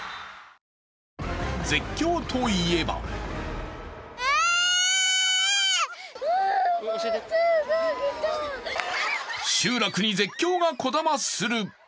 絶叫といえば集落に絶叫がこだまする。